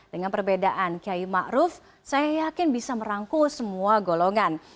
dengan perbedaan kiai ⁇ maruf ⁇ saya yakin bisa merangkul semua golongan